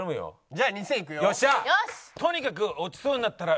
じゃあ。